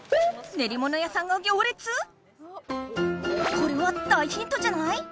これは大ヒントじゃない？